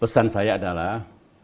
pesan saya adalah